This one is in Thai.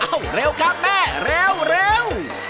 อ้าวเร็วครับแม่เร็ว